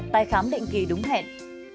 tai khám định kỳ đúng hẹn